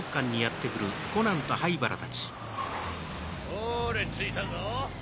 ほれ着いたぞ。